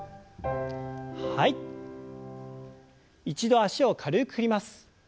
一度脚を軽く振ります。